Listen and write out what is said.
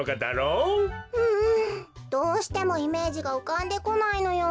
うんどうしてもイメージがうかんでこないのよ。